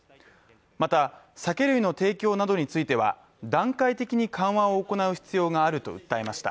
また酒類などの提供については段階的に緩和を行う必要があると訴えました。